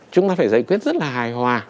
chúng ta phải giải quyết rất là hài hòa